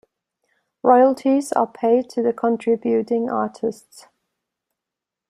Royalties are paid to the contributing artists.